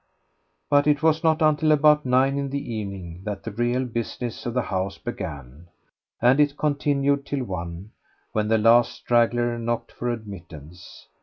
But it was not until about nine in the evening that the real business of the house began, and it continued till one, when the last straggler knocked for admittance.